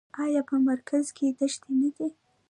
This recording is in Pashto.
آیا په مرکز کې دښتې نه دي؟